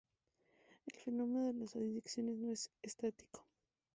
El fenómeno de las adicciones, no es estático.